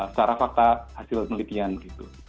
secara fakta hasil penelitian gitu